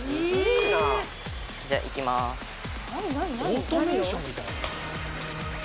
オートメーションみたいだね。